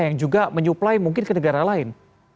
yang juga menyuplai mungkin ke negara lain